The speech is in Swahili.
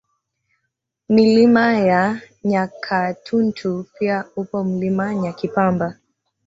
Milima ya Nyakatuntu pia upo Mlima Nyakipamba